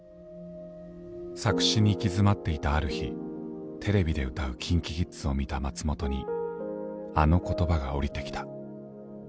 作詞に行き詰まっていたある日テレビで歌うＫｉｎＫｉＫｉｄｓを見た松本にあの言葉が降りてきた。